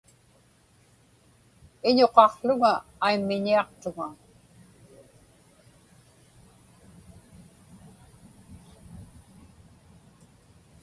Iñuqaqłuŋa aimmiñiaqtuŋa.